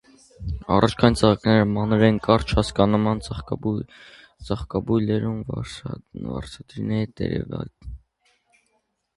Առէջքային ծաղիկները մանր են՝ կարճ հասկանման ծաղկաբույլերում, վարսանդայինները՝ տերևանյութերում։